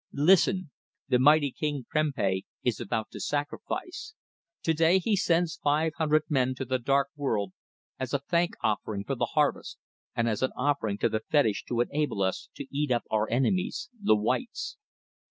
Listen! The mighty King Prempeh is about to sacrifice. To day he sends five hundred men to the dark world as a thank offering for the harvest, and as an offering to the fetish to enable us to eat up our enemies, the whites.